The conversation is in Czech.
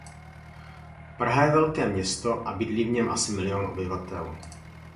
Praha je velké město a bydlí v něm asi milión obyvatel.